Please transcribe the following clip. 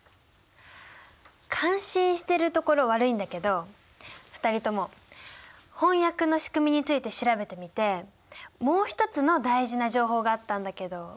感心してるところ悪いんだけど２人とも翻訳の仕組みについて調べてみてもう一つの大事な情報があったんだけど何か分かった？